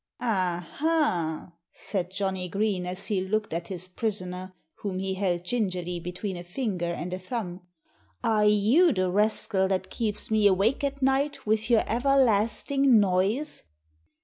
"Aha!" said Johnnie Green as he looked at his prisoner, whom he held gingerly between a finger and a thumb. "Are you the rascal that keeps me awake at night with your everlasting noise?"